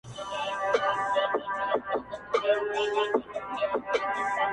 ښه شو چې نور خو ېې عذاب رانکړو